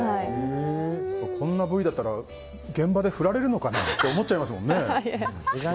こんなＶだったら現場で振られるのかなと思っちゃいますもんね。